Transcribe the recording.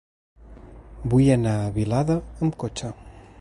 Vull anar a Vilada amb cotxe.